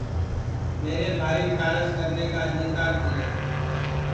میرے بھاری کارج کرنے کا آدیکر دٚیا